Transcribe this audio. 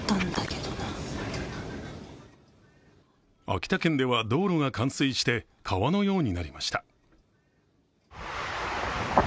秋田県では、道路が冠水して川のようになりました。